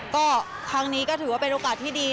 ก็ครั้งนี้ก็ถือว่าเป็นโอกาสที่ดี